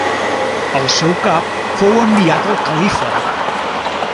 El seu cap fou enviat al califa.